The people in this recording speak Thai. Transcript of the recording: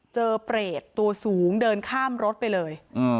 เปรตตัวสูงเดินข้ามรถไปเลย